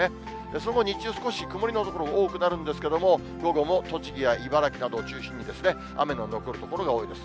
その後、日中、少し曇りの所も多くなるんですけども、午後も栃木や茨城などを中心に、雨の残る所が多いです。